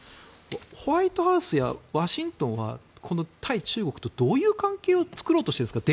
ホワイトハウスやワシントンはこの対中国とどういう関係を作ろうとしているわけですか。